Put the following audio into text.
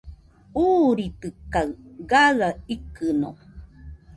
Uuritɨkaɨ gaɨa ikɨno